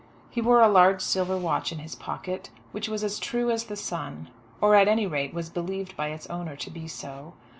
He wore a large silver watch in his pocket which was as true as the sun, or at any rate was believed by its owner to be so.